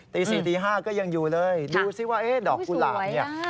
ตี๔ตี๕ก็ยังอยู่เลยดูซิว่าดอกกุหลาบเนี่ย